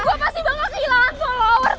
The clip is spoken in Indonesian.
gue pasti bakal kehilangan followers